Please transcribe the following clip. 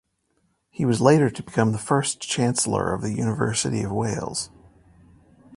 He was later to become the first Chancellor of the University of Wales.